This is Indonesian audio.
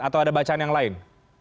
atau ada bacaan yang lain